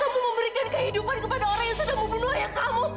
kamu memberikan kehidupan kepada orang yang sudah membunuh ayah kamu